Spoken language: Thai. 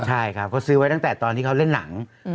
ใช่ครับเขาซื้อไว้ตั้งแต่ตอนที่เขาเล่นหนัง